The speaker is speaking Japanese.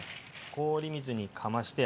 氷水にかまして。